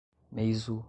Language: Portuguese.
Meizu